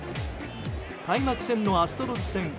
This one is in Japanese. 開幕戦のアストロズ戦。